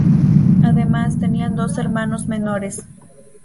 Además tenía dos hermanos menores.